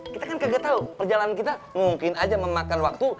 kita kan kagak tahu perjalanan kita mungkin aja memakan waktu